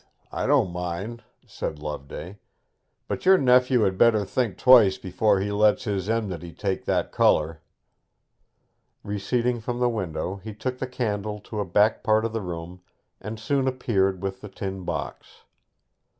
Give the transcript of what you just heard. I don't mind,' said Loveday. 'But your nephew had better think twice before he lets his enmity take that colour.' Receding from the window, he took the candle to a back part of the room and soon reappeared with the tin box.